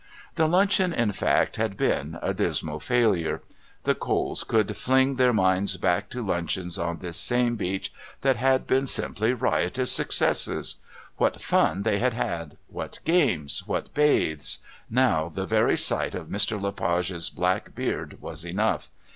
The luncheon, in fact, had been a most dismal failure. The Coles could fling their minds back to luncheons on this same beach that had been simply riotous successes. What fun they had had! What games! What bathes? Now the very sight of Mr. Le Page's black beard was enough.